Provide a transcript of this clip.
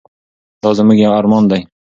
دا زموږ ارمان دی.